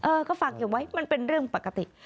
เออก็ฝากอยู่ไว้มันเป็นเรื่องปกติ